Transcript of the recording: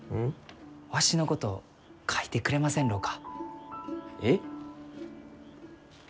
わしのこと描いてくれませんろうか？